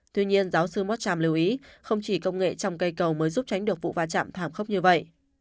tuy nhiên giáo sư motram lưu ý không chỉ công nghệ trong cây cầu mới giúp tránh được vụ va chạm thảm khốc như vậy